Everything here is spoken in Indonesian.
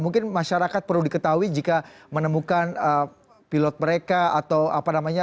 mungkin masyarakat perlu diketahui jika menemukan pilot mereka atau apa namanya